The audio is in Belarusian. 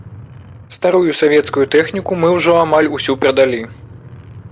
Старую савецкую тэхніку мы ўжо амаль усю прадалі.